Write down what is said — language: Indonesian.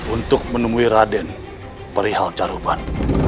untuk menemui raden perihal carupan